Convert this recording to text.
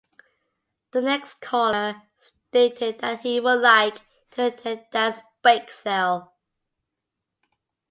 The next caller stated that he would like to attend Dan's Bake Sale.